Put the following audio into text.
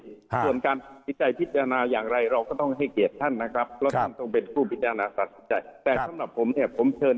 ส่วนการวิจัยพิจารณาอย่างไรเราก็ต้องให้เกียรติท่านนะครับแล้วท่านต้องเป็นผู้วิจารณาศัตริย์